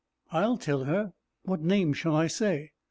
"I'll tell her. What name shall I say?"